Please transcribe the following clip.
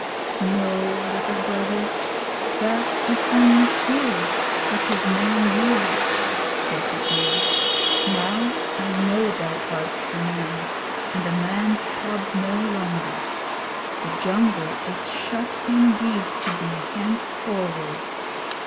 'No, Little Brother. That is only tears such as men use,' said Bagheera. 'Now I know thou art a man, and a man's cub no longer. The jungle is shut indeed to thee henceforward.